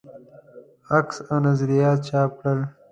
عکس او نظریات چاپ کړل.